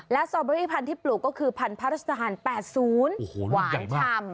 แล้วสตรอเบอร์รี่พันธุ์ที่ปลูกก็คือพันธุ์พระราชนาธารณ์แปดศูนย์โอ้โหหวานชำ